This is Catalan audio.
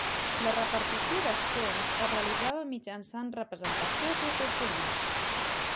La repartició d'escons es realitzava mitjançant representació proporcional.